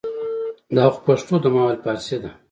دا خو پښتو ده ما ویل فارسي ده